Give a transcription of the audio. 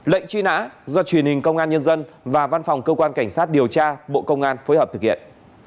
lệnh truy nã do truyền hình công an nhân dân và văn phòng cơ quan cảnh sát điều tra bộ công an phối hợp thực hiện